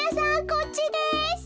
こっちです。